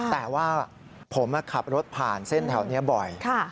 แต่ว่าผมขับรถผ่านเส้นแถวนี้บ่อย